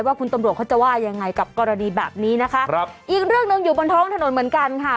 ว่าคุณตำรวจเขาจะว่ายังไงกับกรณีแบบนี้นะคะครับอีกเรื่องหนึ่งอยู่บนท้องถนนเหมือนกันค่ะ